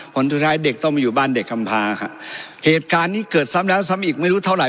ผลสุดท้ายเด็กต้องมาอยู่บ้านเด็กกำพาครับเหตุการณ์นี้เกิดซ้ำแล้วซ้ำอีกไม่รู้เท่าไห